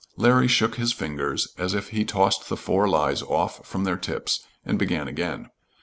Larry shook his fingers as if he tossed the four lies off from their tips, and began again.